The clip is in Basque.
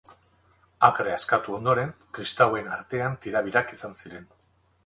Akre askatu ondoren, kristauen artean tirabirak izan ziren.